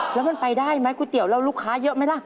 แล้วมันไปได้ไหมก๋วยเตี๋ยวแล้วลูกค้าเยอะไหมล่ะ